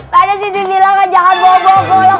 pade sisi bilang jangan bobo bobok